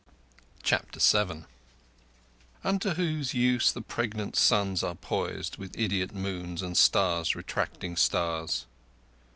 CHAPTER VII Unto whose use the pregnant suns are poised With idiot moons and stars retracing stars?